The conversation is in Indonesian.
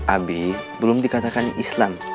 abih belum dikatakan islam